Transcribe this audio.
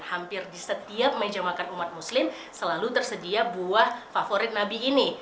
hampir di setiap meja makan umat muslim selalu tersedia buah favorit nabi ini